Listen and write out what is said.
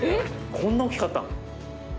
こんな大きかったん？